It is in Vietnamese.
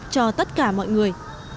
cho tất cả mọi người